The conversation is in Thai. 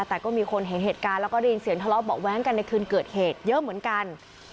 แต่ก็มีคนเห็นเหตุการณ์แล้วก็ได้ยินเสียงทะเลาะเบาะแว้งกันในคืนเกิดเหตุเยอะเหมือนกัน